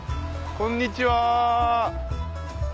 こんにちは。